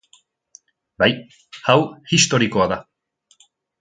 Bai, hau historikoa da.